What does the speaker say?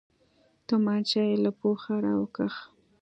تمانچه يې له پوښه راوکښ.